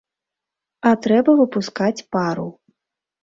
А трэба выпускаць пару.